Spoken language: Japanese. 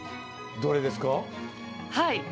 どれですか？